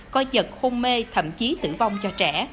coi chật hôn mê thậm chí tử vong cho trẻ